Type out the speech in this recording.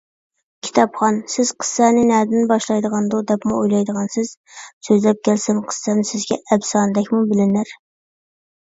كىتابخان، سىز قىسسەنى نەدىن باشلايدىغاندۇ، دەپمۇ ئويلايدىغانسىز، سۆزلەپ كەلسەم، قىسسەم سىزگە ئەپسانىدەكمۇ بىلىنەر.